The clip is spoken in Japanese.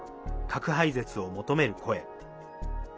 核廃絶を求める声。